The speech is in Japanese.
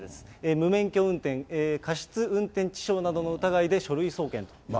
無免許過失運転致傷などの疑いで書類送検ということです。